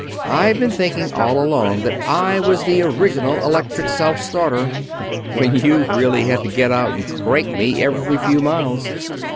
I've been thinking all along that I was the original electric self starter, when you've really had to get out and crank me every few miles."